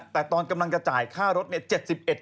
แต่ตอนกำลังจะจ่ายค่ารถเนี่ย